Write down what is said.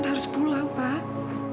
tak boleh lah